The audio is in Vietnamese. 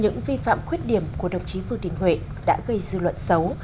những vi phạm khuyết điểm của đồng chí vương đình huệ đã gây dư luận xấu